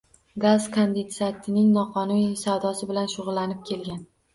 Gaz kondensatining noqonuniy savdosi bilan shug‘ullanib kelgan